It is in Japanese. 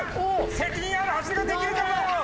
責任ある走りができるからだろ！